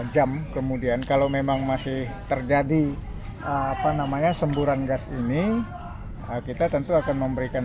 jam kemudian kalau memang masih terjadi apa namanya semburan gas ini kita tentu akan memberikan